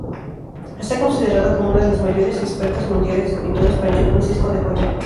Está considerada una de las mayores expertas mundiales del pintor español Francisco de Goya.